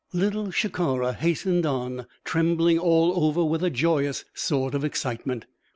Little Shikara hastened on, trembling all over with a joyous sort of excitement.